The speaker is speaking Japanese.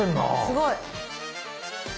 すごい！